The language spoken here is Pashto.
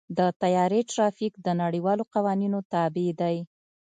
د طیارې ټرافیک د نړیوالو قوانینو تابع دی.